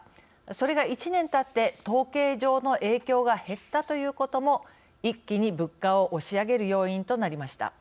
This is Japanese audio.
それが１年たって統計上の影響が減ったということも一気に物価を押し上げる要因となりました。